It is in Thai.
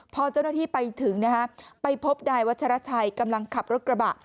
พอเจ้าหน้าที่ไปถึงนะฮะไปพบนายวัชราชัยกำลังขับรถกระบะ